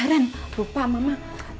eh ren lupa mama